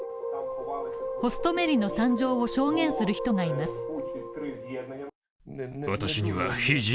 ホストメリの惨状を証言する人がいます。